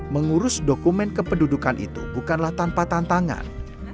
mengurus dokumen kependudukan itu bukanlah tanpa tantangan